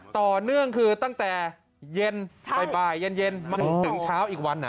ต่อเนื่องคือตั้งแต่เย็นบ่ายเย็นมันถึงเช้าอีกวัน